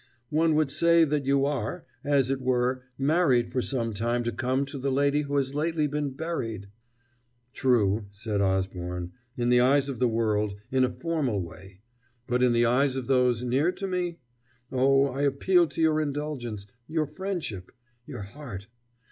One would say that you are, as it were, married for some time to come to the lady who has lately been buried." "True," said Osborne "in the eyes of the world, in a formal way: but in the eyes of those near to me? Oh, I appeal to your indulgence, your friendship, your heart.